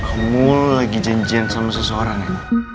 homo lagi janjian sama seseorang ya